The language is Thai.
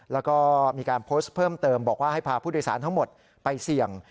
แล้วก็มีการโพสต์เพิ่มเติมบอกว่าให้พาผู้โดยสารทั้งหมดไปเสี่ยง